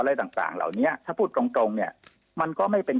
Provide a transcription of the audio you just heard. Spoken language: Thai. อะไรต่างเหล่านี้ถ้าพูดตรงตรงเนี่ยมันก็ไม่เป็น